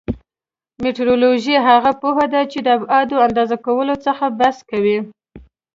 مټرولوژي هغه پوهه ده چې د ابعادو اندازه کولو څخه بحث کوي.